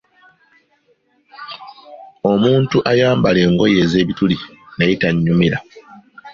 Omuntu ayambala engoye ez’ebituli naye tannyumira.